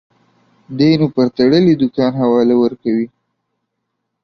دى نو پر تړلي دوکان حواله ورکوي.